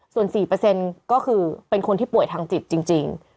ส่วน๔ก็คือเป็นคนที่ป่วยทางจิตจริง